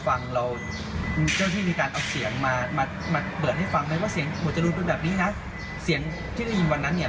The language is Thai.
เราเจ้าที่มีการเอาเสียงมามาเปิดให้ฟังไหมว่าเสียงหมวดจรูนเป็นแบบนี้นะเสียงที่ได้ยินวันนั้นเนี่ย